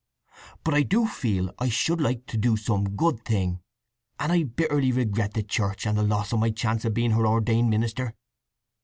But I do feel I should like to do some good thing; and I bitterly regret the Church, and the loss of my chance of being her ordained minister."